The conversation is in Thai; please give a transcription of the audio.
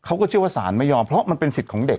เขาก็เชื่อว่าสารไม่ยอมเพราะมันเป็นสิทธิ์ของเด็ก